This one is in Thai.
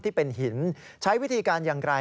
ที่เป็นหินใช้วิธีการอย่างไร